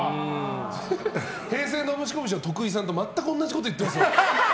平成ノブシコブシの徳井さんと全く同じこと言ってますね。